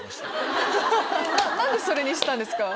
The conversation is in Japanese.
何でそれにしたんですか？